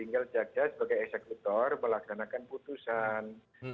tinggal jaksa sebagai eksekutor melaksanakan putusan